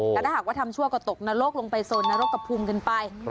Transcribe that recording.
แต่ถ้าหากว่าทำชั่วก็ตกนรกลงไปโซนนรกกระพุงกันไป